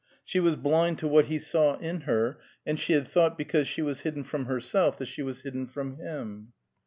She was blind to what he saw in her, and she had thought because she was hidden from herself that she was hidden from him.